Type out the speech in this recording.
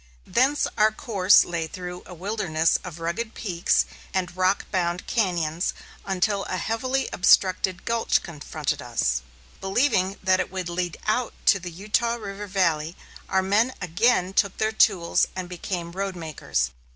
Thence our course lay through a wilderness of rugged peaks and rock bound cañons until a heavily obstructed gulch confronted us. Believing that it would lead out to the Utah River Valley, our men again took their tools and became roadmakers.